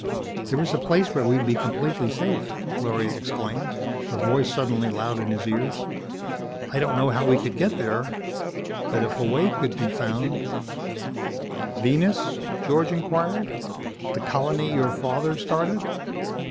"There is a place where we'd be completely safe," Gloria exclaimed, her voice suddenly loud in his ears. "I don't know how we could get there. But if a way could be found " "Venus?" George inquired. "The colony your father started?"